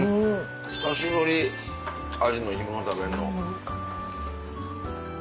久しぶりアジの干物食べるの。